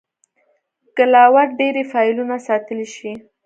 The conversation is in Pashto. کلاوډ ډېری فایلونه ساتلی شي.